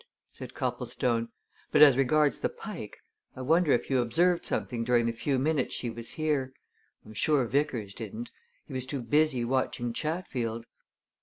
said Copplestone. "But as regards the Pike, I wonder if you observed something during the few minutes she was here. I'm sure Vickers didn't he was too busy, watching Chatfield."